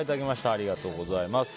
ありがとうございます。